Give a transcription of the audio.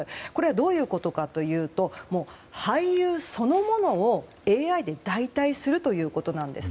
どういうことかというと俳優そのものをＡＩで代替するということなんです。